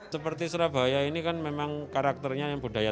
seperti surabaya ini kan memang karakternya yang budaya